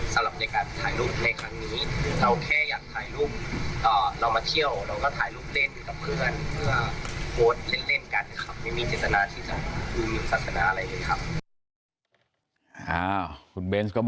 ก็เลยลองถ่ายฟิล๗ไว้แล้วโพสต์เล่นกับคุณเพื่อนนี่ไงครับ